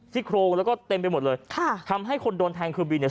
โครงแล้วก็เต็มไปหมดเลยค่ะทำให้คนโดนแทงคือบินเนี่ย